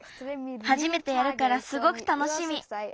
はじめてやるからすごくたのしみ。